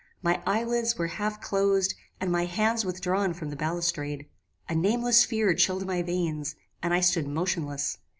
My eye lids were half closed, and my hands withdrawn from the balustrade. A nameless fear chilled my veins, and I stood motionless.